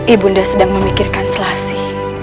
ibu sedang memikirkan selasi